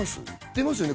出ますよね